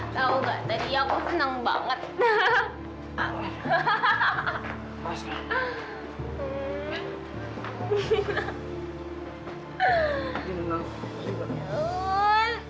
tau nggak tadi aku senang banget